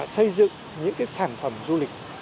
xây dựng những cái sản phẩm du lịch